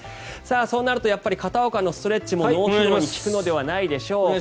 そうなるとやっぱり片岡のストレッチも脳疲労に効くのではないでしょうか。